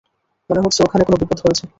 মনে হচ্ছে ওখানে কোনো বিপদ হয়েছে।